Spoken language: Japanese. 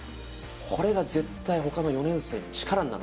これが絶対ほかの４年生の力になる。